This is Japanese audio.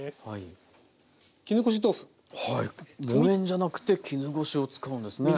木綿じゃなくて絹ごしを使うんですね。